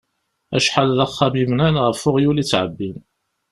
Acḥal d axxam i bnan, ɣef uɣyul i ttεebbin.